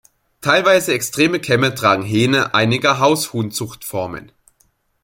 Teilweise extreme Kämme tragen Hähne einiger Haushuhn-Zuchtformen.